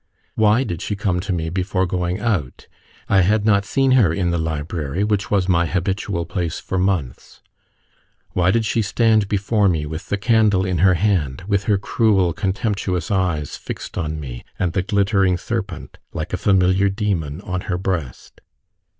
Why did she come to me before going out? I had not seen her in the library, which was my habitual place, for months. Why did she stand before me with the candle in her hand, with her cruel contemptuous eyes fixed on me, and the glittering serpent, like a familiar demon, on her breast?